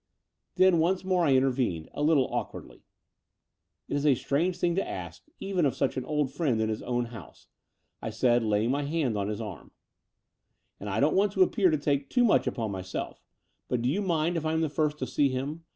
Then once more I intervened, a little awkwardly. It is a strange thing to ask even of such an old friend in his own house,*' I said, laying my hand on his arm, "and I don't want to appear to take too much upon myself: but do you mind if I am the first to see him?